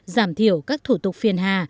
giảm thiểu các thủ tục phiền hà